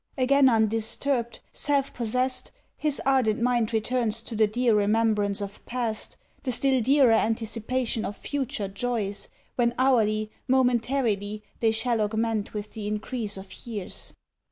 Again undisturbed, self possessed, his ardent mind returns to the dear remembrance of past, the still dearer anticipation of future, joys when hourly, momentarily, they shall augment with the increase of years.